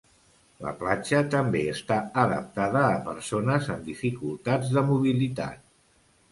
La platja també està adaptada a persones amb dificultats de mobilitat.